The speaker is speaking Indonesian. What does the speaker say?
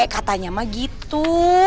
katanya mah gitu